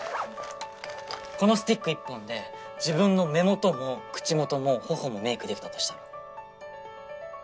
このスティック１本で自分の目元も口元も頬もメイクできたとしたら？